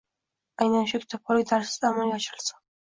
Aynan shu kitobxonlik darsida amalga oshirilsin.